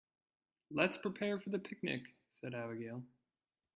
"Let's prepare for the picnic!", said Abigail.